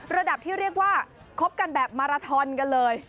ระดับที่เรียกว่าคบกันแบบมาราทอนกันเลย